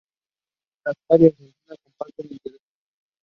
Catar y Argentina comparten intereses comunes.